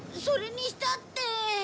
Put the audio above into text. それにしたって。